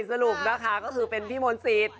สรุปนะคะก็คือเป็นพี่มนต์สิทธิ